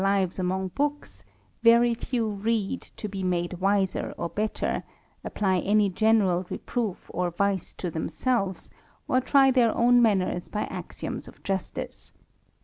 lives among books, very few read to be made w apply any general reproof of vice to themselves, or try their own manners by axioms of justice.